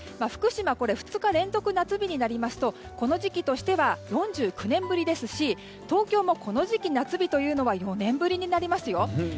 福島２日連続夏日になりますとこの時期としては４９年ぶりですし東京もこの時期、夏日というのは４年ぶりになりますよ。